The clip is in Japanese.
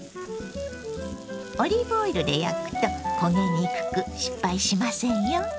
オリーブオイルで焼くと焦げにくく失敗しませんよ。